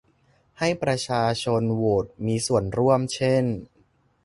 ให้ประชาชนโหวดมีส่วนร่วมเช่น